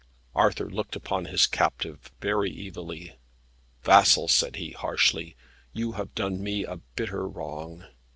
Arthur looked upon his captive very evilly. "Vassal," said he, harshly, "you have done me a bitter wrong.